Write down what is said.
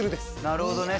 なるほどね。